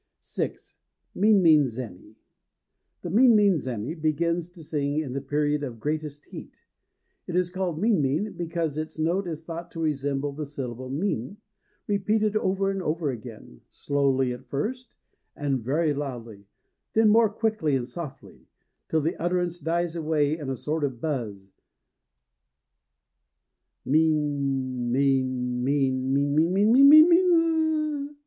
VI. "MINMIN" ZÉMI. THE minmin zémi begins to sing in the Period of Greatest Heat. It is called "min min" because its note is thought to resemble the syllable "min" repeated over and over again, slowly at first, and very loudly; then more and more quickly and softly, till the utterance dies away in a sort of buzz: "min min min min min minminmin dzzzzzzz."